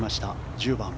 １０番。